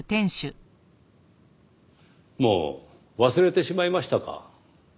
もう忘れてしまいましたか。